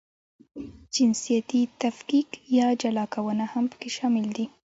جنسیتي تفکیک یا جلاکونه هم پکې شامل دي.